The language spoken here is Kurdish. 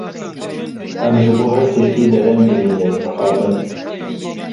Em ji bo her tiştî dereng dimînin, mixabin.